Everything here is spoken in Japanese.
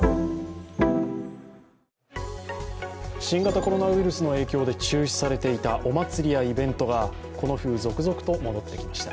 新型コロナウイルスの影響で中止されていたお祭りやイベントがこの冬、続々と戻ってきました。